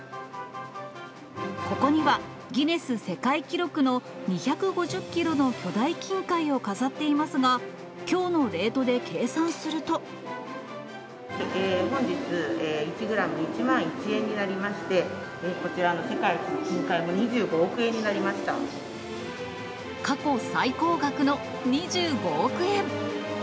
ここには、ギネス世界記録の２５０キロの巨大金塊を飾っていますが、きょう本日、１グラム１万１円になりまして、こちらの世界一の金塊も２５億円過去最高額の２５億円。